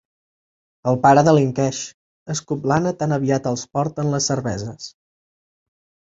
El pare delinqueix —escup l'Anna tan aviat els porten les cerveses.